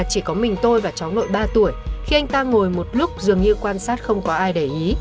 chỉ có mình tôi và cháu nội ba tuổi khi anh ta ngồi một lúc dường như quan sát không có ai để ý